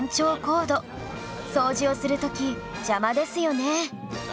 掃除をする時邪魔ですよね